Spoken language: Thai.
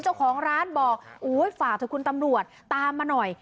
เจ้าของร้านบอกโอ้ยฝากเถอะคุณตำรวจตามมาหน่อย